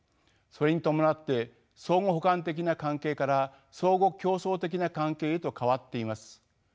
それに伴って相互補完的な関係から相互競争的な関係へと変わっています。